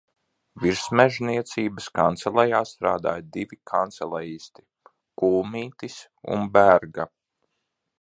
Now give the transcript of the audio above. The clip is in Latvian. Virsmežniecības kancelejā strādāja divi kancelejisti, Kulmītis un Berga.